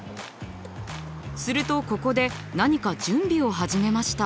するとここで何か準備を始めました。